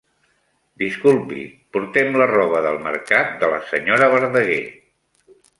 Disculpi, portem la roba del mercat de la senyora Verdaguer.